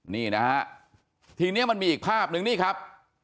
นี่นะฮะทีนี้มันมีอีกภาพนึงนี่ครับ